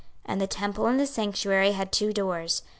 26:041:023 And the temple and the sanctuary had two doors.